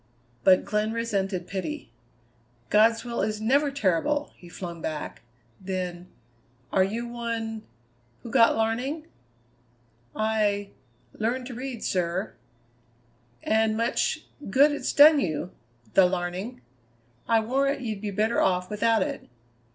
But Glenn resented pity. "God's will is never terrible!" he flung back. Then: "Are you one who got larning?" "I learned to read, sir." "And much good it's done you the larning! I warrant ye'd be better off without it.